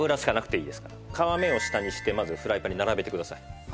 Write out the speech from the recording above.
皮目を下にしてまずフライパンに並べてください。